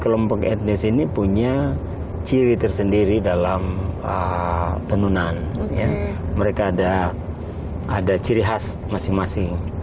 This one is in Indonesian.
kelompok etnis ini punya ciri tersendiri dalam tenunan mereka ada ciri khas masing masing